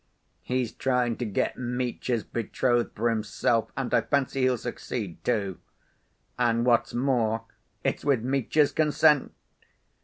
He's trying to get Mitya's betrothed for himself, and I fancy he'll succeed, too. And what's more, it's with Mitya's consent.